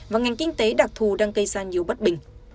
và ngành kinh tế đặc thù đang gây ra nhiều bất bình